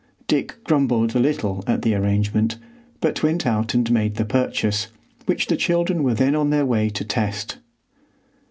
Dick grumbled a little at the arrangement, but went out and made the purchase, which the children were then on their way to test.